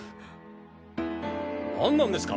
何なんですか？